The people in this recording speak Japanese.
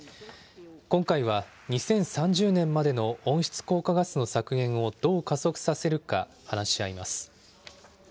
今回は２０３０年までの温室効果ガスの削減をどう加速させるか話し合います。